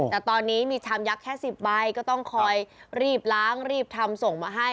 แต่ตอนนี้มีชามยักษ์แค่๑๐ใบก็ต้องคอยรีบล้างรีบทำส่งมาให้